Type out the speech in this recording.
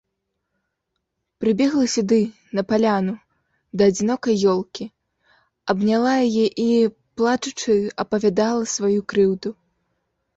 Прыбегла сюды, на паляну, да адзінокай ёлкі, абняла яе і, плачучы, апавядала сваю крыўду.